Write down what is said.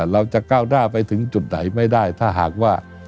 เราจะก้าวหน้าไปถึงจุดไหนไม่ได้ถ้าหากว่า